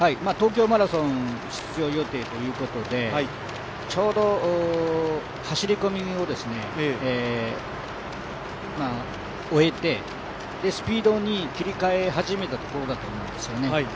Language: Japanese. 東京マラソン出場予定ということで、ちょうど走り込みを終えてスピードに切り替え始めたところだと思うんですよね。